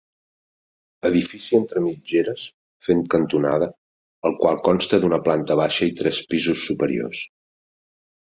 Edifici entre mitgeres, fent cantonada, el qual consta d'una planta baixa i tres pisos superiors.